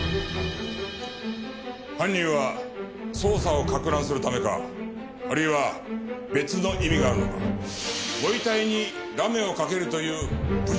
犯人は捜査をかく乱するためかあるいは別の意味があるのかご遺体にラメをかけるという侮辱的行為に及んだ。